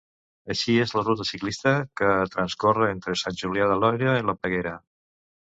Així és la ruta ciclista que transcorre entre Sant Julià de Lòria i la Peguera.